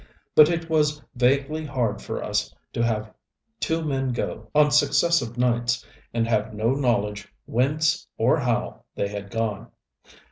But it was vaguely hard for us to have two men go, on successive nights, and have no knowledge whence or how they had gone.